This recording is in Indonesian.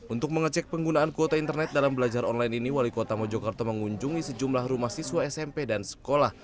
untuk mengecek penggunaan kuota internet dalam belajar online ini wali kota mojokerto mengunjungi sejumlah rumah siswa smp dan sekolah